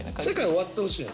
終わってほしい。